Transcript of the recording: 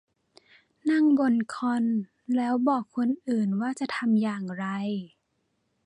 นั่งบนคอนแล้วบอกคนอื่นว่าจะทำอย่างไร